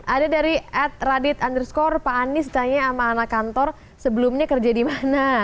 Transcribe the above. ada dari ad radit underscore pak anies tanya sama anak kantor sebelumnya kerja di mana